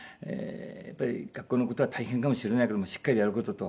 やっぱり学校の事は大変かもしれないけどもしっかりやる事と。